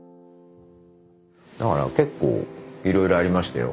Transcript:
だから結構いろいろありましたよ。